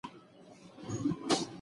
لښتې مېږې لوشلې خو بیا پاڅېده.